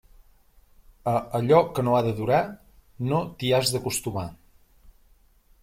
A allò que no ha de durar, no t'hi has d'acostumar.